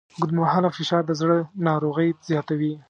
اوږدمهاله فشار د زړه ناروغۍ زیاتوي.